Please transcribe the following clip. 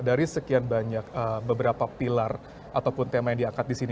dari sekian banyak beberapa pilar ataupun tema yang diangkat di sini